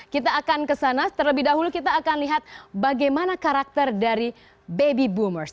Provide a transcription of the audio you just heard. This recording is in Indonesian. kita akan kesana terlebih dahulu kita akan lihat bagaimana karakter dari baby boomers